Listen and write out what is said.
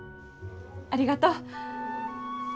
ありがとう。